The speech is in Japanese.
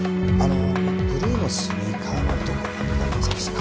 ブルーのスニーカーの男を見かけませんでしたか？